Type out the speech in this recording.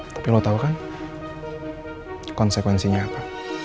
tapi lo tau kan konsekuensinya apa